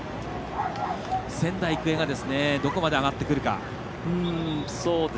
仙台育英が、どこまで上がってくるか。